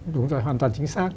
đúng rồi hoàn toàn chính xác